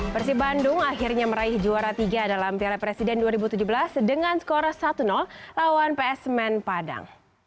persib bandung akhirnya meraih juara tiga dalam piala presiden dua ribu tujuh belas dengan skor satu lawan ps semen padang